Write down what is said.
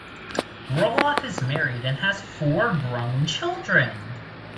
Roloff is married and has four grown children.